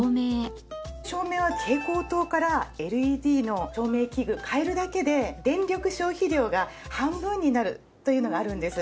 照明は蛍光灯からＬＥＤの照明器具替えるだけで電力消費量が半分になるというのがあるんです。